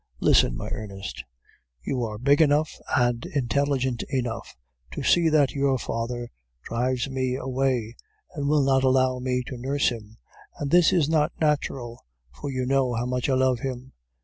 Listen, my Ernest, you are big enough and intelligent enough to see that your father drives me away, and will not allow me to nurse him, and this is not natural, for you know how much I love him.